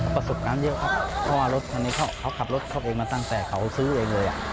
ประสบน้ำเยอะครับเพราะว่ารถคันนี้เขาขับรถเข้าไปมาตั้งแต่เขาซื้อเองเลย